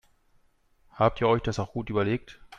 Habt ihr euch das auch gut überlegt?